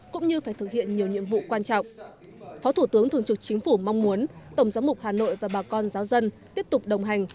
cũng như phải thực hiện nhiều nhiệm vụ quan trọng phó thủ tướng thường trực chính phủ mong muốn tổng giám mục hà nội và bà con giáo dân tiếp tục đồng hành